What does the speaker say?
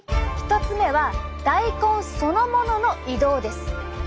１つ目は大根そのものの移動です。